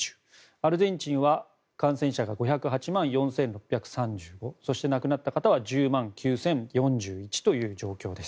アルゼンチンは感染者が５０８万４６３５人そして、亡くなった方は１０万９０４１人という状況。